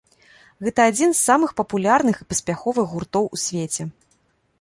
Гэта адзін з самых папулярных і паспяховых гуртоў у свеце.